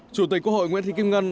chủ tịch quốc hội nguyễn thị kim ngân